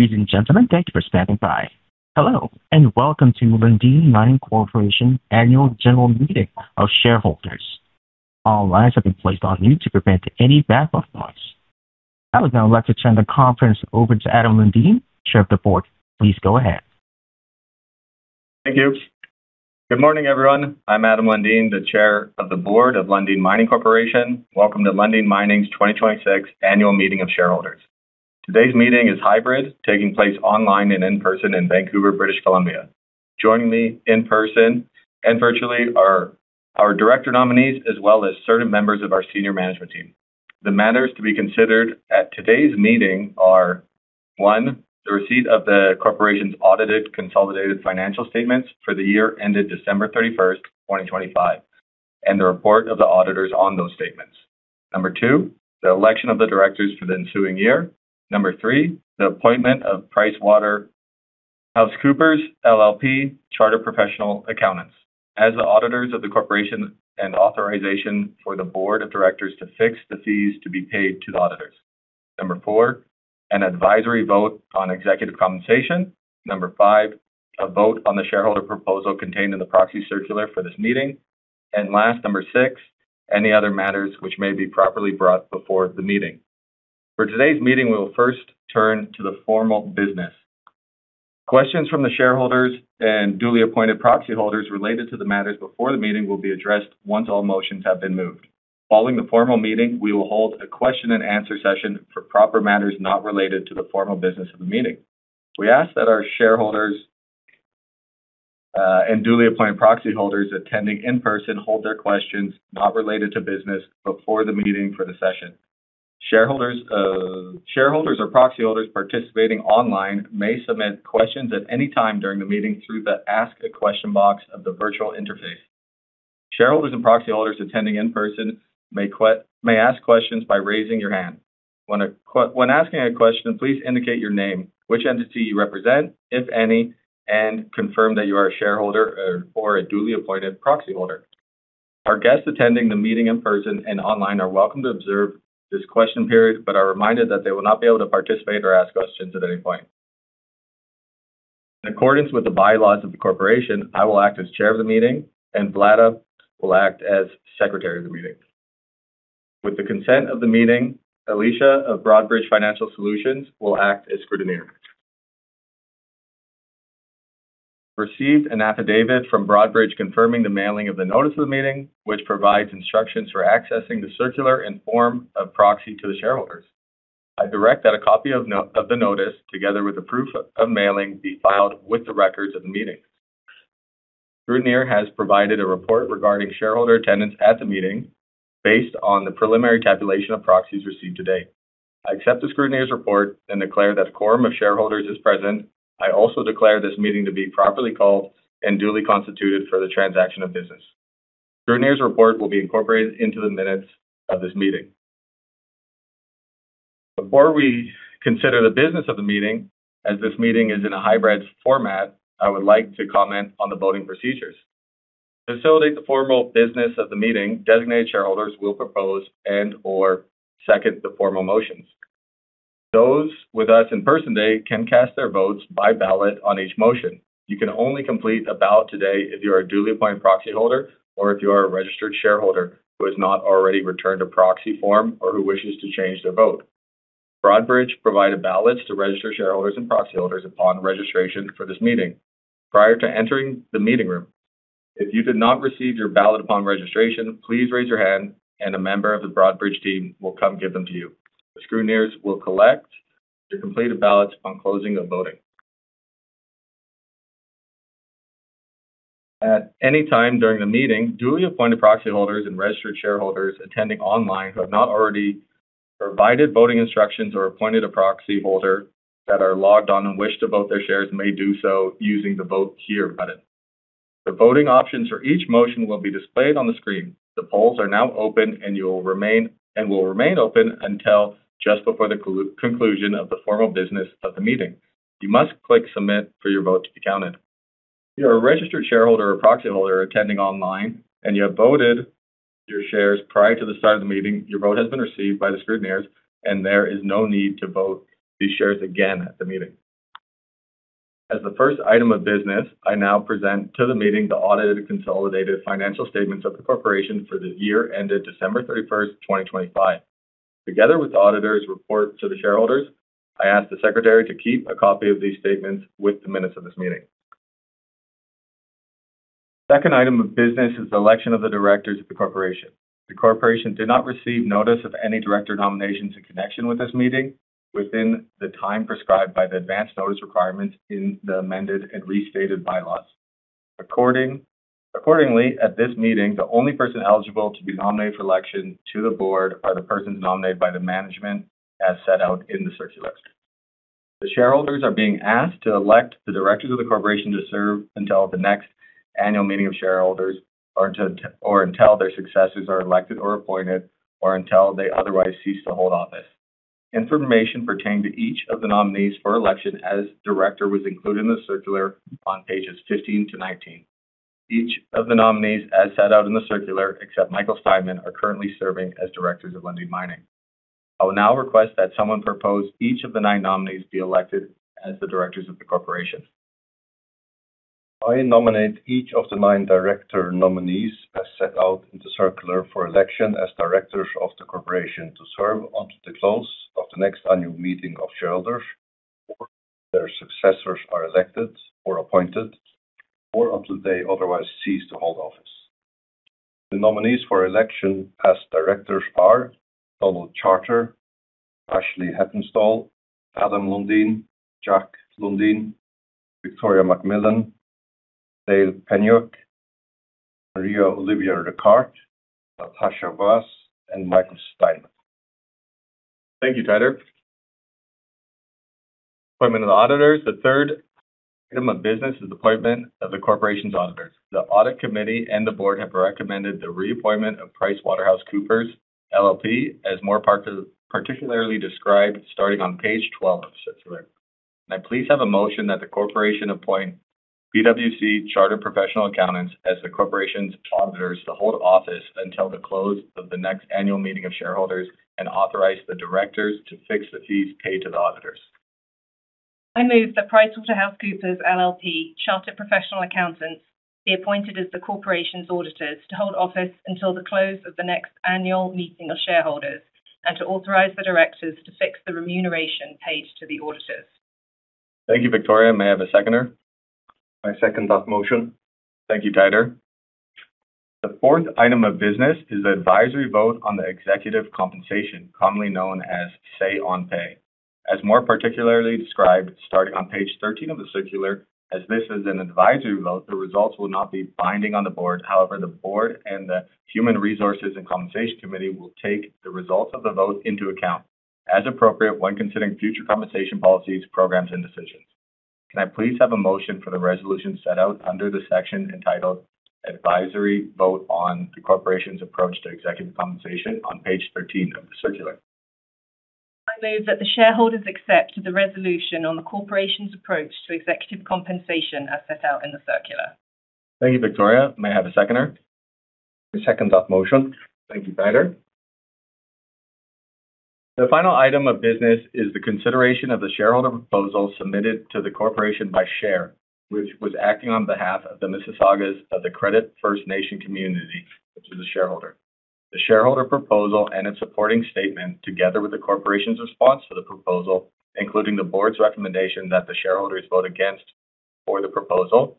Ladies and gentlemen, thank you for standing by. Hello, welcome to Lundin Mining Corporation Annual General Meeting of Shareholders. All lines have been placed on mute to prevent any background noise. I would now like to turn the conference over to Adam Lundin, Chair of the Board. Please go ahead. Thank you. Good morning, everyone. I'm Adam Lundin, the Chair of the Board of Lundin Mining Corporation. Welcome to Lundin Mining's 2026 annual meeting of shareholders. Today's meeting is hybrid, taking place online and in person in Vancouver, British Columbia. Joining me in person and virtually are our director nominees as well as certain members of our senior management team. The matters to be considered at today's meeting are, one, the receipt of the corporation's audited consolidated financial statements for the year ended December 31, 2025, and the report of the auditors on those statements. Number two, the election of the directors for the ensuing year. Number three, the appointment of PricewaterhouseCoopers LLP, Chartered Professional Accountants, as the auditors of the corporation and authorization for the Board of Directors to fix the fees to be paid to the auditors. Number four, an advisory vote on executive compensation. Number five, a vote on the shareholder proposal contained in the proxy circular for this meeting. Last, number six, any other matters which may be properly brought before the meeting. For today's meeting, we will first turn to the formal business. Questions from the shareholders and duly appointed proxy holders related to the matters before the meeting will be addressed once all motions have been moved. Following the formal meeting, we will hold a question and answer session for proper matters not related to the formal business of the meeting. We ask that our shareholders and duly appointed proxy holders attending in person hold their questions not related to business before the meeting for the session. Shareholders or proxy holders participating online may submit questions at any time during the meeting through the ask a question box of the virtual interface. Shareholders and proxy holders attending in person may ask questions by raising your hand. When asking a question, please indicate your name, which entity you represent, if any, and confirm that you are a shareholder or a duly appointed proxy holder. Our guests attending the meeting in person and online are welcome to observe this question period, but are reminded that they will not be able to participate or ask questions at any point. In accordance with the bylaws of the corporation, I will act as Chair of the meeting and Vlada will act as Secretary of the meeting. With the consent of the meeting, Alicia of Broadridge Financial Solutions will act as Scrutineer. Received an affidavit from Broadridge confirming the mailing of the notice of the meeting, which provides instructions for accessing the circular and form of proxy to the shareholders. I direct that a copy of the notice, together with the proof of mailing, be filed with the records of the meeting. Scrutineer has provided a report regarding shareholder attendance at the meeting based on the preliminary tabulation of proxies received to date. I accept the scrutineer's report and declare that quorum of shareholders is present. I also declare this meeting to be properly called and duly constituted for the transaction of business. Scrutineer's report will be incorporated into the minutes of this meeting. Before we consider the business of the meeting, as this meeting is in a hybrid format, I would like to comment on the voting procedures. To facilitate the formal business of the meeting, designated shareholders will propose and/or second the formal motions. Those with us in person today can cast their votes by ballot on each motion. You can only complete a ballot today if you are a duly appointed proxy holder or if you are a registered shareholder who has not already returned a proxy form or who wishes to change their vote. Broadridge provided ballots to registered shareholders and proxy holders upon registration for this meeting prior to entering the meeting room. If you did not receive your ballot upon registration, please raise your hand and a member of the Broadridge team will come give them to you. The scrutineers will collect the completed ballots on closing of voting. At any time during the meeting, duly appointed proxy holders and registered shareholders attending online who have not already provided voting instructions or appointed a proxy holder that are logged on and wish to vote their shares may do so using the vote here button. The voting options for each motion will be displayed on the screen. The polls are now open and will remain open until just before the conclusion of the formal business of the meeting. You must click submit for your vote to be counted. If you're a registered shareholder or proxy holder attending online and you have voted your shares prior to the start of the meeting, your vote has been received by the scrutineers and there is no need to vote these shares again at the meeting. As the first item of business, I now present to the meeting the audited consolidated financial statements of the corporation for the year ended December 31st, 2025. Together with the auditor's report to the shareholders, I ask the secretary to keep a copy of these statements with the minutes of this meeting. Second item of business is the election of the directors of the corporation. The corporation did not receive notice of any director nominations in connection with this meeting within the time prescribed by the advance notice requirements in the amended and restated bylaws. Accordingly, at this meeting, the only one person eligible to be nominated for election to the Board are the persons nominated by the management as set out in the circular. The shareholders are being asked to elect the directors of the corporation to serve until the next annual meeting of shareholders or until their successors are elected or appointed or until they otherwise cease to hold office. Information pertaining to each of the nominees for election as director was included in the circular on pages 15 to 19. Each of the nominees as set out in the circular, except Michael Steinmann, are currently serving as directors of Lundin Mining. I will now request that someone propose each of the nine nominees be elected as the directors of the corporation. I nominate each of the nine director nominees as set out in the circular for election as directors of the corporation to serve until the close of the next annual meeting of shareholders or their successors are elected or appointed or until they otherwise cease to hold office. The nominees for election as directors are Donald Charter, Ashley Heppenstall, Adam Lundin, Jack Lundin, Victoria McMillan, Dale Peniuk, Maria Olivia Recart, Natasha Vaz, and Michael Steinmann. Thank you, Tyler. Appointment of the auditors. The third item of business is appointment of the corporation's auditors. The Audit Committee and the board have recommended the reappointment of PricewaterhouseCoopers LLP, as particularly described starting on page 12 of the circular. May I please have a motion that the corporation appoint PwC Chartered Professional Accountants as the corporation's auditors to hold office until the close of the next annual meeting of shareholders and authorize the directors to fix the fees paid to the auditors. I move that PricewaterhouseCoopers LLP, Chartered Professional Accountants, be appointed as the corporation's auditors to hold office until the close of the next annual meeting of shareholders, and to authorize the directors to fix the remuneration paid to the auditors. Thank you, Victoria. May I have a seconder? I second that motion. Thank you, Tyler. The fourth item of business is the advisory vote on the executive compensation, commonly known as say on pay. As more particularly described, starting on page 13 of the circular. As this is an advisory vote, the results will not be binding on the board. However, the board and the Human Resources and Compensation Committee will take the results of the vote into account as appropriate when considering future compensation policies, programs, and decisions. Can I please have a motion for the resolution set out under the section entitled "Advisory Vote on the Corporation's Approach to Executive Compensation" on page 13 of the circular? I move that the shareholders accept the resolution on the corporation's approach to executive compensation as set out in the circular. Thank you, Victoria. May I have a seconder? I second that motion. Thank you, Tyler. The final item of business is the consideration of the shareholder proposal submitted to the corporation by SHARE, w hich was acting on behalf of the Mississaugas of the New Credit First Nation Community Trust, which is a shareholder. The shareholder proposal and its supporting statement, together with the corporation's response to the proposal, including the board's recommendation that the shareholders vote against for the proposal,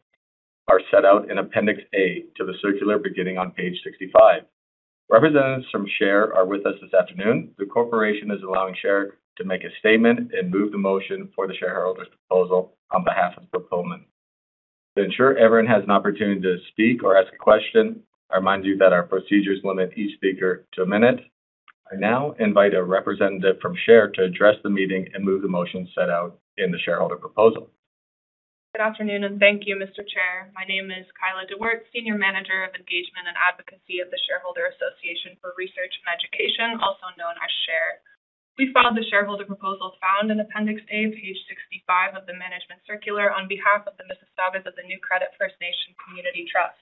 are set out in Appendix A to the circular beginning on page 65. Representatives from SHARE are with us this afternoon. The corporation is allowing SHARE to make a statement and move the motion for the shareholder's proposal on behalf of the Mississaugas of the New Credit First Nation Community Trust. To ensure everyone has an opportunity to speak or ask a question, I remind you that our procedures limit each speaker to a minute. I now invite a representative from SHARE to address the meeting and move the motion set out in the shareholder proposal. Good afternoon. Thank you, Mr. Chair. My name is Kyela De Weerdt, Senior Manager of Engagement and Advocacy of the Shareholder Association for Research and Education, also known as SHARE. We filed the shareholder proposals found in Appendix A, page 65 of the management circular on behalf of the Mississaugas of the New Credit First Nation Community Trust.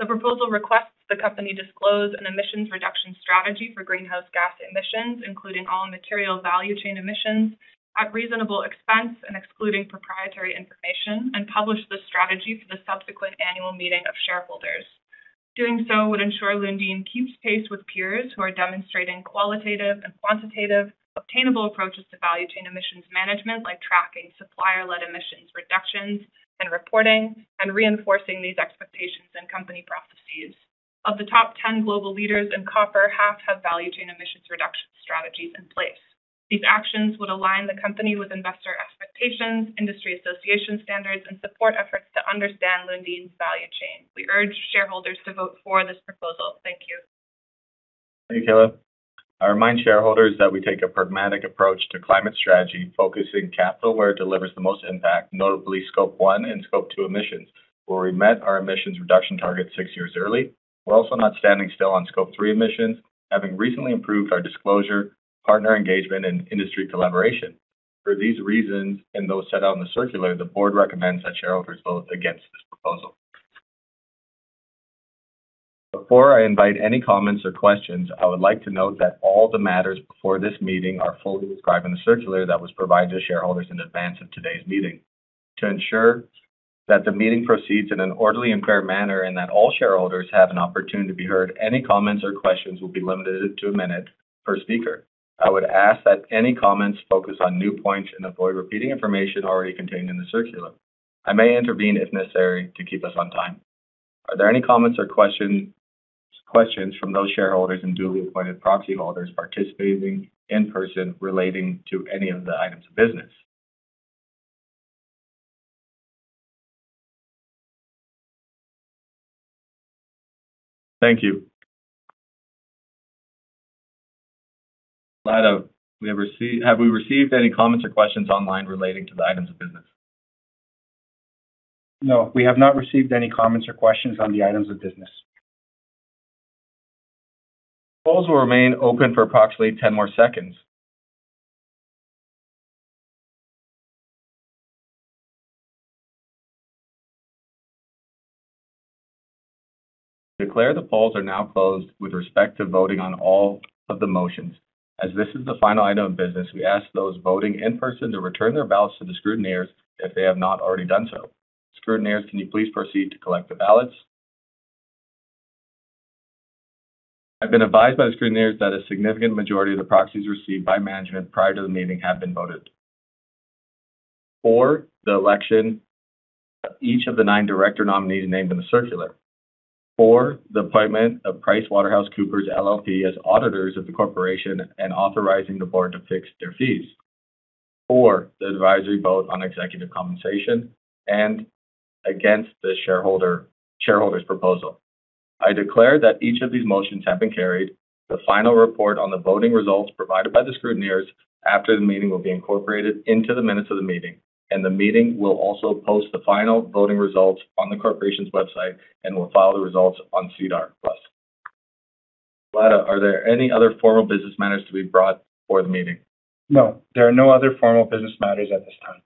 The proposal requests the company disclose an emissions reduction strategy for greenhouse gas emissions, including all material value chain emissions at reasonable expense and excluding proprietary information, and publish the strategy for the subsequent annual meeting of shareholders. Doing so would ensure Lundin keeps pace with peers who are demonstrating qualitative and quantitative obtainable approaches to value chain emissions management, like tracking supplier-led emissions reductions and reporting and reinforcing these expectations and company policies. Of the top 10 global leaders in copper, half have value chain emissions reduction strategies in place. These actions would align the company with investor expectations, industry association standards, and support efforts to understand Lundin's value chain. We urge shareholders to vote for this proposal. Thank you. Thank you, Kyela. I remind shareholders that we take a pragmatic approach to climate strategy, focusing capital where it delivers the most impact, notably Scope one and Scope two emissions, where we met our emissions reduction target six years early. We are also not standing still on Scope three emissions, having recently improved our disclosure, partner engagement, and industry collaboration. For these reasons, and those set out in the circular, the board recommends that shareholders vote against this proposal. Before I invite any comments or questions, I would like to note that all the matters before this meeting are fully described in the circular that was provided to shareholders in advance of today's meeting. To ensure that the meeting proceeds in an orderly and fair manner and that all shareholders have an opportunity to be heard, any comments or questions will be limited to a minute per speaker. I would ask that any comments focus on new points and avoid repeating information already contained in the circular. I may intervene if necessary to keep us on time. Are there any comments or questions from those shareholders and duly appointed proxyholders participating in person relating to any of the items of business? Thank you. Vlada, have we received any comments or questions online relating to the items of business? No, we have not received any comments or questions on the items of business. Polls will remain open for approximately 10 more seconds. Declare the polls are now closed with respect to voting on all of the motions. As this is the final item of business, we ask those voting in person to return their ballots to the scrutineers if they have not already done so. Scrutineers, can you please proceed to collect the ballots? I've been advised by the scrutineers that a significant majority of the proxies received by management prior to the meeting have been voted. For the election of each of the nine director nominees named in the circular. For the appointment of PricewaterhouseCoopers LLP as auditors of the corporation and authorizing the board to fix their fees. For the advisory vote on executive compensation and against the shareholders' proposal. I declare that each of these motions have been carried. The final report on the voting results provided by the scrutineers after the meeting will be incorporated into the minutes of the meeting. The meeting will also post the final voting results on the corporation's website and will file the results on SEDAR+. Vlada, are there any other formal business matters to be brought before the meeting? No, there are no other formal business matters at this time.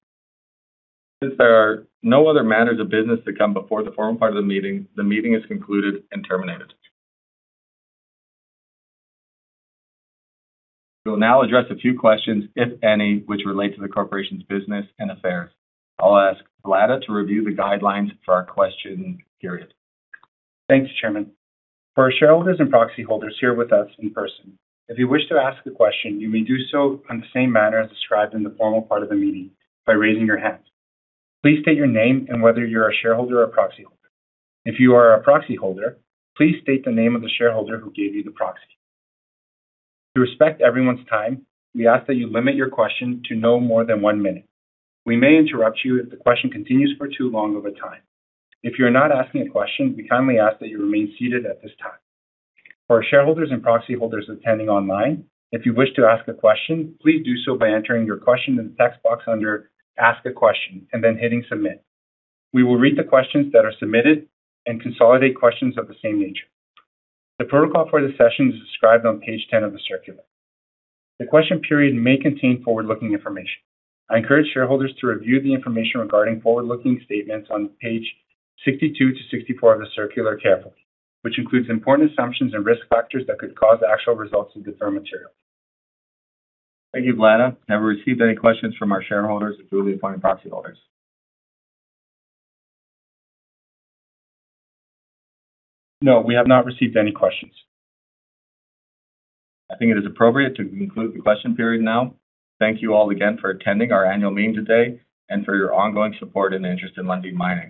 Since there are no other matters of business to come before the formal part of the meeting, the meeting is concluded and terminated. We will now address a few questions, if any, which relate to the corporation's business and affairs. I'll ask Vlada to review the guidelines for our question period. Thanks, Chairman. For our shareholders and proxy holders here with us in person, if you wish to ask a question, you may do so in the same manner as described in the formal part of the meeting by raising your hand. Please state your name and whether you're a shareholder or proxy holder. If you are a proxy holder, please state the name of the shareholder who gave you the proxy. To respect everyone's time, we ask that you limit your question to no more than 1 minute. We may interrupt you if the question continues for too long of a time. If you're not asking a question, we kindly ask that you remain seated at this time. For shareholders and proxy holders attending online, if you wish to ask a question, please do so by entering your question in the text box under Ask a Question and then hitting Submit. We will read the questions that are submitted and consolidate questions of the same nature. The protocol for this session is described on page 10 of the circular. The question period may contain forward-looking information. I encourage shareholders to review the information regarding forward-looking statements on page 62-64 of the circular carefully, which includes important assumptions and risk factors that could cause actual results to differ materially. Thank you, Vlada. Have we received any questions from our shareholders through the appointed proxy holders? No, we have not received any questions. I think it is appropriate to conclude the question period now. Thank you all again for attending our annual meeting today and for your ongoing support and interest in Lundin Mining.